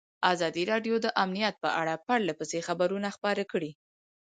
ازادي راډیو د امنیت په اړه پرله پسې خبرونه خپاره کړي.